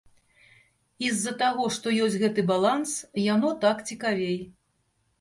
І з-за таго, што ёсць гэты баланс, яно так цікавей.